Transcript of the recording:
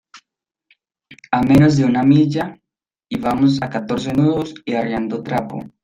a menos de una milla. y vamos a catorce nudos y arriando trapo .